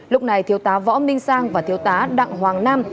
lúc này thiếu tá võ minh sang và thiếu tá đặng hoàng nam